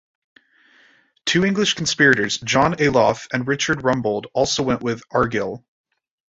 Two English conspirators, John Ayloffe and Richard Rumbold, also went with Argyll.